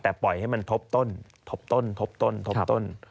แต่ปล่อยให้มันทบต้นทบต้นทบต้นทบต้น